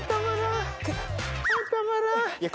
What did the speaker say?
あたまらん。